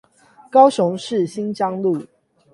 高雄市新疆路